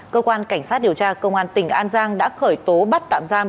cơ quan cảnh sát điều tra công an tỉnh an giang đã khởi tố bắt tạm giam